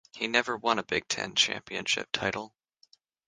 He never won a Big Ten championship title.